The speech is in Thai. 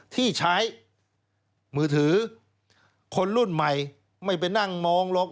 ที่ใช้มือถือคนรุ่นใหม่ไม่ไปนั่งมองหรอก